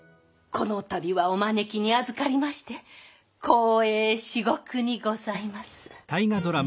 この度はお招きにあずかりまして光栄至極にございます。